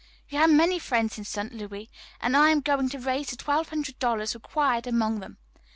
You have many friends in St. Louis, and I am going to raise the twelve hundred dollars required among them.